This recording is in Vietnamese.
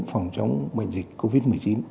phòng chống bệnh dịch covid một mươi chín